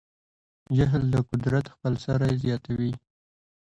جهل د قدرت خپل سری زیاتوي.